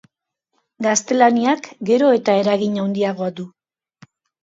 Gaztelaniak gero eta eragin handiagoa du.